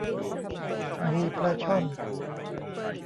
มีปลาช่อน